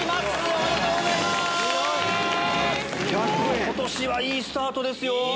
すごい！今年はいいスタートですよ。